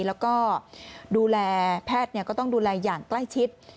แล้วก็ดูแลแพทย์ก็ต้องดูแลอย่างใกล้ชิด